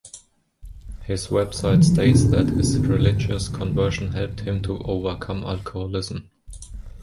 His website states that his religious conversion helped him to overcome alcoholism.